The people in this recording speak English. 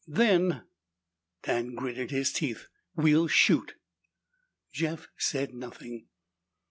"Then," Dan gritted his teeth, "we'll shoot!" Jeff said nothing.